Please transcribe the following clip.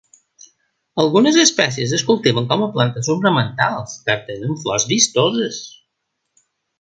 Algunes espècies es cultiven com a plantes ornamentals car tenen flors vistoses.